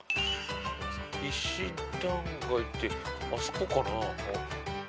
石段街ってあそこかな？